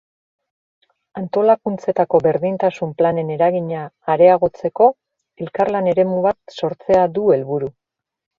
Antolakuntzetako berdintasun planen eragina areagotzeko elkarlan eremu bat sortzea du helburu.